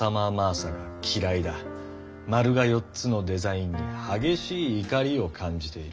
「丸が４つ」のデザインに激しい怒りを感じている。